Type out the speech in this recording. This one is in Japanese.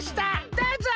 どうぞ！